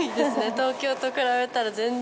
東京と比べたら全然。